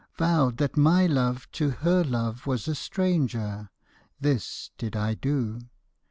Vowed that my love to her love was a stranger, This did I do.